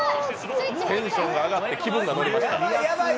テンションが上がって気分が乗りました。